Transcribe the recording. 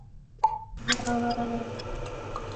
林德尔恩是德国下萨克森州的一个市镇。